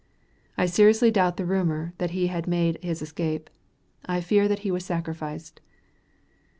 I seriously doubt the rumor, that he had made his escape. I fear that he was sacrificed.